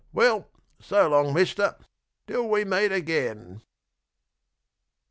. Well, so long, Mister, till we meet again.